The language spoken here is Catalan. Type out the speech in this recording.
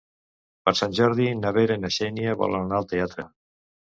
Per Sant Jordi na Vera i na Xènia volen anar al teatre.